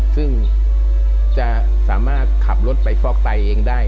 ซึ่งจะสามารถขับรถไปฟอกไตเองได้